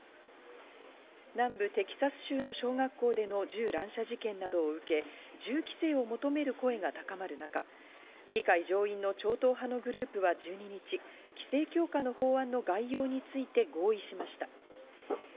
南部テキサス州の小学校での銃乱射事件などを受け、銃規制を求める声が高まる中、議会上院の超党派のグループは１２日、規制強化の法案の概要について合意しました。